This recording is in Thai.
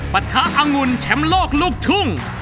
ปะทะอังุ่นแชมป์โลกลูกทุ่ง